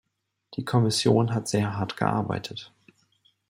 Die Kommission hat sehr hart gearbeitet.